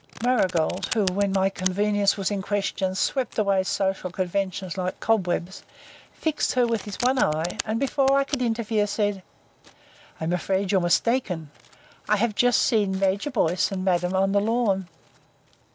Marigold, who, when my convenience was in question, swept away social conventions like cobwebs, fixed her with his one eye, and before I could interfere, said: "I'm afraid you're mistaken. I've just seen Major Boyce and Madam on the lawn."